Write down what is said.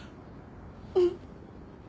うん。